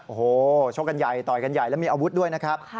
โอ้โหชกกันใหญ่ต่อยกันใหญ่แล้วมีอาวุธด้วยนะครับ